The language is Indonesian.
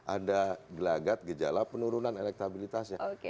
ada gelagat gejala penurunan elektabilitasnya